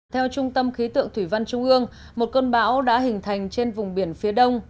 theo trung tâm khí tượng thủy văn trung ương một cơn bão đã hình thành trên vùng biển phía đông